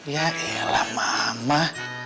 ya elah mama